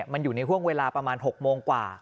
มันอยู่ในห่วงเวลาประมาณ๖โมงกว่า